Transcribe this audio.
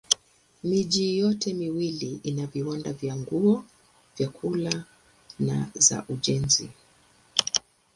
Miji yote miwili ina viwanda vya nguo, vyakula na za ujenzi.